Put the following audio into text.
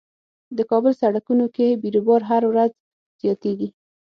د کابل سړکونو کې بیروبار هر ورځ زياتيږي.